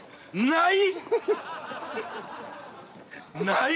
ない！？